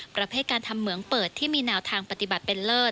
ประเภทการทำเหมืองเปิดที่มีแนวทางปฏิบัติเป็นเลิศ